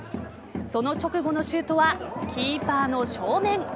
その直後のシュートはキーパーの正面。